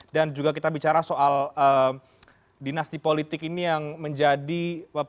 dan juga kita bicara soal dinasti politik ini yang menjadi penyakit demokrasi